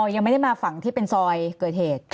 ยังไม่ได้มาฝั่งที่เป็นซอยเกิดเหตุ